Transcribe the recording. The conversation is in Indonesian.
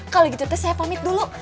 kalau gitu saya pamit dulu